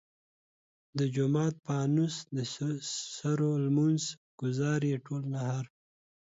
د جومات فانوس د سرو لمونځ ګزار ئې ټول نهر !